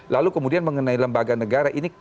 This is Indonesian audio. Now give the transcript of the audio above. lalu kemudian mengenai lembaga negara ini